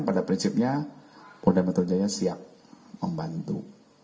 pada prinsipnya polda metro jaya siap membantu